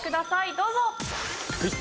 どうぞ！